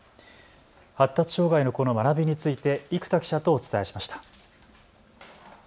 発達障害の子の学びについて生田記者とお伝えしました。